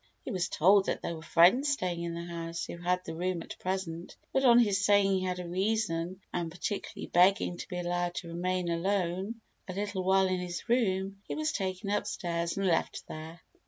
He was told that there were friends staying in the house who had the room at present, but, on his saying he had a reason and particularly begging to be allowed to remain alone a little while in this room, he was taken upstairs and left there.